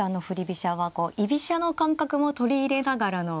飛車は居飛車の感覚も取り入れながらの。